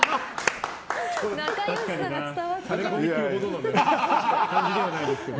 仲良しさが伝わってきますね。